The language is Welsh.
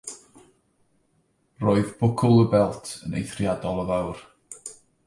Roedd bwcl y belt yn eithriadol o fawr.